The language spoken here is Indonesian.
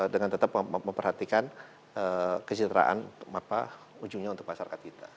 dengan tetap memperhatikan kecerdasan apa ujungnya untuk pasarkat kita